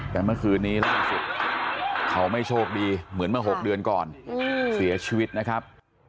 แต่เมื่อคืนนี้ล่าสุดเขาไม่โชคดีเหมือนเมื่อ๖เดือนก่อนเสียชีวิตนะครับ